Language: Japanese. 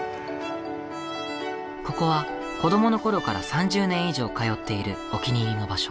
ここは子供の頃から３０年以上通っているお気に入りの場所。